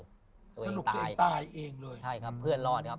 สรุปคือตายเองเลยใช่ครับเพื่อนรอดครับ